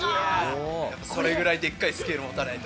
これぐらいでっかいスケール持たないと。